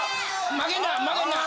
負けるな！